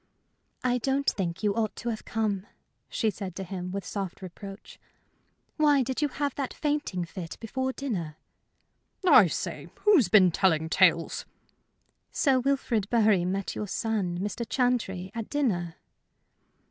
"I don't think you ought to have come," she said to him, with soft reproach. "Why did you have that fainting fit before dinner?" "I say! Who's been telling tales?" "Sir Wilfrid Bury met your son, Mr. Chantrey, at dinner."